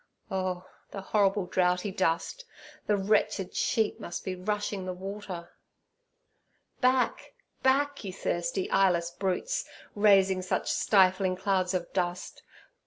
Oh, the horrible droughty dust! the wretched sheep must be rushing the water. 'Back! back! you thirsty, eyeless brutes, raising such stifling clouds of dust.